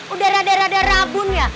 udah rada rada rabun ya